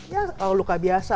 ya luka biasa